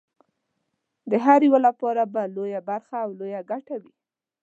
د هر یوه لپاره به لویه برخه او لویه ګټه وي.